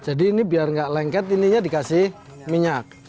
jadi ini biar nggak lengket ini dikasih minyak